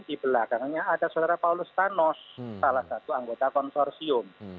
di belakangnya ada saudara paulus thanos salah satu anggota konsorsium